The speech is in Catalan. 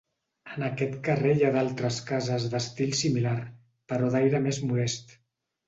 En aquest carrer hi ha d'altres cases d'estil similar però d'aire més modest.